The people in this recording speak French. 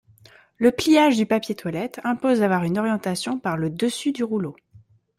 Le pliage du papier toilette impose d'avoir une orientation par le dessus du rouleau.